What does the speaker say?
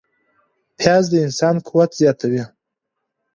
پیاز د انسان قوت زیاتوي